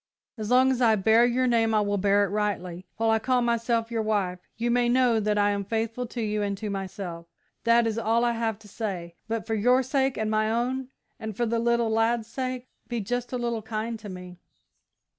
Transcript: As long as I bear your name I will bear it rightly; while I call myself your wife, you may know that I am faithful to you and to myself. That is all I have to say, but for your sake and my own and for the little lad's sake be just a little kind to me!"